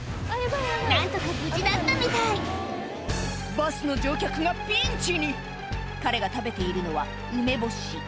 何とか無事だったみたいバスの乗客がピンチに彼が食べているのは梅干し